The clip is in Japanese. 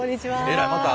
えらいまた。